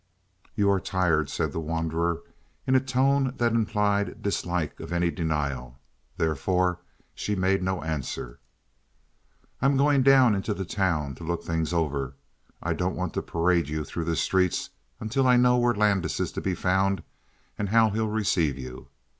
"You are tired," said the wanderer in a tone that implied dislike of any denial. Therefore she made no answer. "I'm going down into the town to look things over. I don't want to parade you through the streets until I know where Landis is to be found and how he'll receive you.